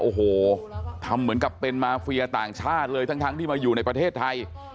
โอ้โหทำเหมือนกับเป็นมาเฟียต่างชาติเลยทั้งที่มาอยู่ในประเทศไทย